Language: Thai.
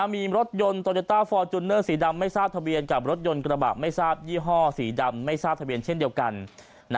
มีรถยนต์โตโยต้าฟอร์จูเนอร์สีดำไม่ทราบทะเบียนกับรถยนต์กระบะไม่ทราบยี่ห้อสีดำไม่ทราบทะเบียนเช่นเดียวกัน